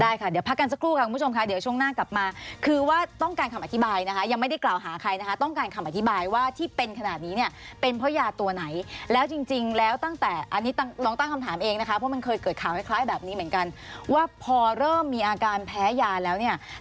ค่ะเดี๋ยวพักกันสักครู่ค่ะคุณผู้ชมค่ะเดี๋ยวช่วงหน้ากลับมาคือว่าต้องการคำอธิบายนะคะยังไม่ได้กล่าวหาใครนะคะต้องการคำอธิบายว่าที่เป็นขนาดนี้เนี่ยเป็นเพราะยาตัวไหนแล้วจริงแล้วตั้งแต่อันนี้ลองตั้งคำถามเองนะคะเพราะมันเคยเกิดข่าวคล้ายแบบนี้เหมือนกันว่าพอเริ่มมีอาการแพ้ยาแล้วเนี่ย